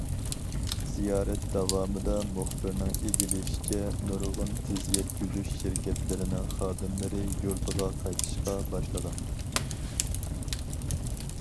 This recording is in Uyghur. زىيارەت داۋامىدا، مۇخبىرنىڭ ئىگىلىشىچە، نۇرغۇن تېز يەتكۈزۈش شىركەتلىرىنىڭ خادىملىرى يۇرتىغا قايتىشقا باشلىغان.